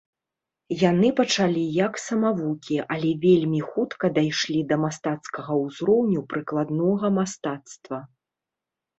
Яны пачалі як самавукі, але вельмі хутка дайшлі да мастацкага ўзроўню прыкладнога мастацтва.